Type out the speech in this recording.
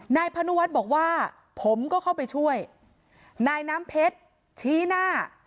นายพนุวัฒน์บอกว่าผมก็เข้าไปช่วยนายน้ำเพชรชี้หน้า